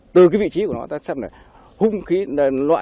từ vị trí của nó